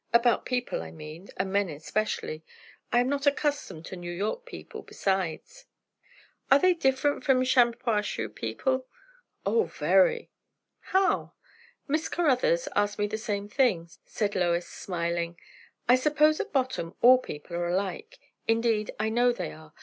"About people, I mean, and men especially. I am not accustomed to New York people, besides." "Are they different from Shampuashuh people?" "O, very." "How?" "Miss Caruthers asked me the same thing," said Lois, smiling. "I suppose at bottom all people are alike; indeed, I know they are.